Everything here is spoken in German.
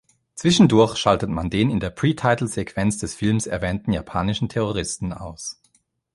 Zwischendurch schaltet man den in der Pre-Title-Sequenz des Films erwähnten japanischen Terroristen aus.